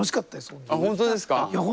本当ですか？